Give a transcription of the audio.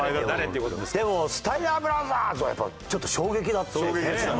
でもスタイナー・ブラザーズはやっぱちょっと衝撃だったあの時期ね。